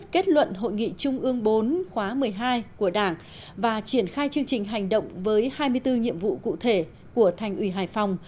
kết luận hội nghị trung ương bốn khóa một mươi hai của đảng và triển khai chương trình hành động với hai mươi bốn nhiệm vụ cụ thể của thành ủy hải phòng